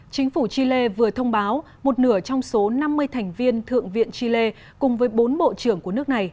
chính phủ chile vừa thông báo một nửa trong số năm mươi thành viên thượng viện chile cùng với bốn bộ trưởng của nước này